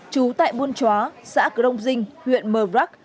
trú tại buôn chó xã cửa đông dinh huyện mờ rắc